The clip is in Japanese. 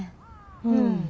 うん。